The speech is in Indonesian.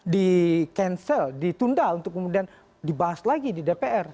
di cancel ditunda untuk kemudian dibahas lagi di dpr